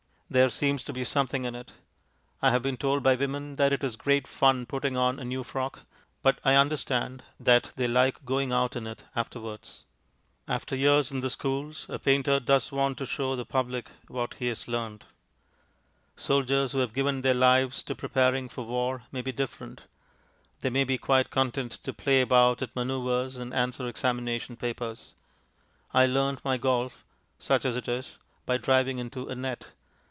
There seems to be something in it. I have been told by women that it is great fun putting on a new frock, but I understand that they like going out in it afterwards. After years in the schools a painter does want to show the public what he has learnt. Soldiers who have given their lives to preparing for war may be different; they may be quite content to play about at manoeuvres and answer examination papers. I learnt my golf (such as it is) by driving into a net.